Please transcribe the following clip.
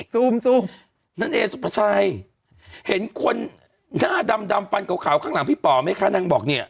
ซูมซูมนั่นเอสุภาชัยเห็นคนหน้าดำดำฟันขาวข้างหลังพี่ป่อไหมคะนางบอกเนี่ย